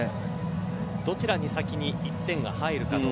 どちらに先に１点が入るか。